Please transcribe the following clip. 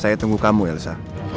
saya tunggu kamu elsa